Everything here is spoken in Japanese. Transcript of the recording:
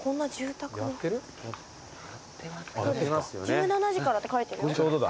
１７時からって書いてるよ。